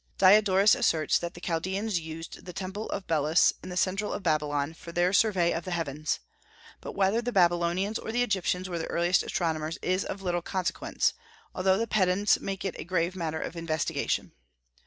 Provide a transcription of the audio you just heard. Diodorus asserts that the Chaldaeans used the Temple of Belus, in the centre of Babylon, for their survey of the heavens. But whether the Babylonians or the Egyptians were the earliest astronomers is of little consequence, although the pedants make it a grave matter of investigation.